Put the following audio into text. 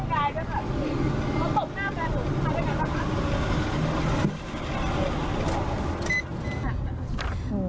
ตกหน้ากล้องหน้ากล้องหน้ากล้อง